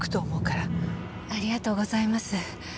ありがとうございます。